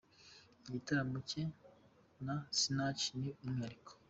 Igitaramo cye na Sinach ni umwihariko.